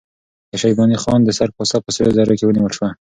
د شیباني خان د سر کاسه په سرو زرو کې ونیول شوه.